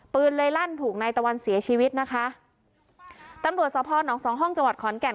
ปืนเลยลั่นถูกนายตะวันเสียชีวิตนะคะตำรวจสพนสองห้องจังหวัดขอนแก่น